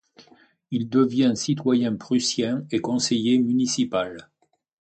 Il devient citoyen prussien et conseiller municipal.